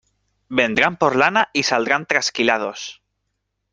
Vendrán por lana y saldrán trasquilados.